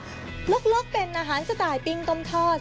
แล้วจ่ายตังค์ลกเป็นอาหารสไตล์ปิงต้มทอด